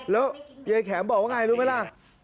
แล้วยายแข็มบอกว่าไงรู้ไหมล่ะ